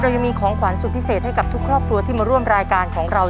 ยังมีของขวัญสุดพิเศษให้กับทุกครอบครัวที่มาร่วมรายการของเรา